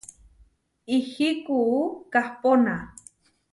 Ihí kuú kahpóna.